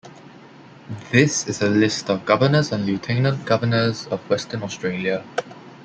This is a list of Governors and Lieutenant-Governors of Western Australia.